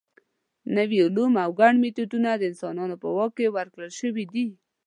نوي علوم او ګڼ میتودونه د انسانانو په واک کې ورکړل شوي دي.